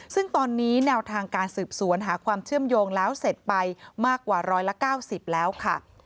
ซึ่งตอนนี้แนวทางการสืบสวนหาความเชื่อมโยงแล้วเสร็จไปมากกว่า๑๙๐แล้วค่ะ